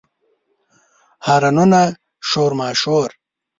هارنونه، شور ماشور